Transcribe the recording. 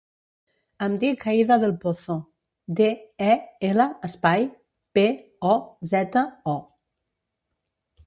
Em dic Aïda Del Pozo: de, e, ela, espai, pe, o, zeta, o.